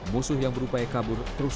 musuh yang berupaya kabur terus mengejar musuh